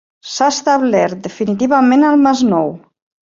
S'ha establert definitivament al Masnou.